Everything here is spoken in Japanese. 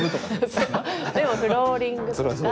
でもフローリングとか。